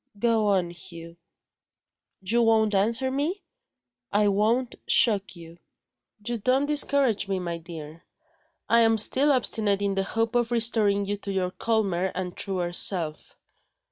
"Go on, Hugh." "You won't answer me?" "I won't shock you." "You don't discourage me, my dear; I am still obstinate in the hope of restoring you to your calmer and truer self.